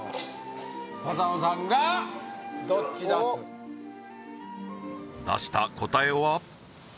笹野さんがおっ出した答えは？